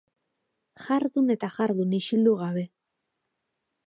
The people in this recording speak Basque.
Jardun eta jardun isildu gabe.